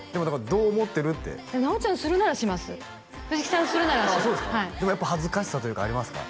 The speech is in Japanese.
「どう思ってる？」って直ちゃんするならします藤木さんするならしますでもやっぱ恥ずかしさというかありますか？